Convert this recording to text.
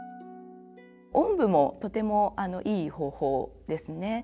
おんぶもとてもいい方法ですね。